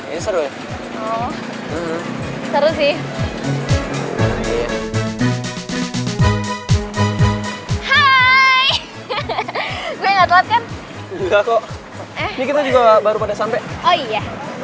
hai gue enggak telat kan juga kok kita juga baru pada sampai oh iya